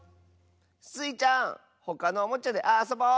スイちゃんほかのおもちゃであそぼう！